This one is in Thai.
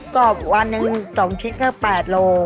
กรอบวันนึง๒ชิ้นก็๘โล